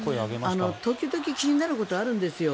時々気になることあるんですよ。